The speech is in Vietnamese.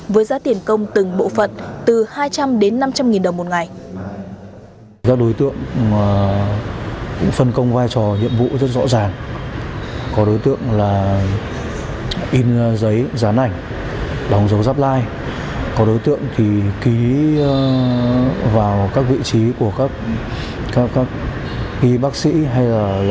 với giá tiền công từng bộ phận từ hai trăm linh đến năm trăm linh nghìn đồng một ngày